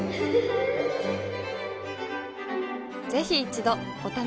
ぜひ一度お試しを。